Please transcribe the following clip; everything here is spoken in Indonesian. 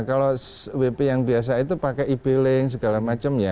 kalau wp yang biasa itu pakai e billing segala macam ya